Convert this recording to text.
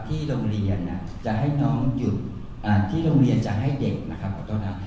ที่โรงเรียนจะให้น้องหยุดที่โรงเรียนจะให้เด็กนะครับขอโทษนะ